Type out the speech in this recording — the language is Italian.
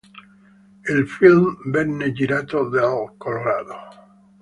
Il film venne girato nel Colorado.